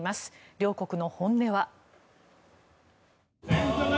両国の本音は？